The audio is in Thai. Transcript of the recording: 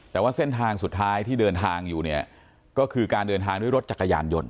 แต่ว่าเส้นทางสุดท้ายที่เดินทางอยู่เนี่ยก็คือการเดินทางด้วยรถจักรยานยนต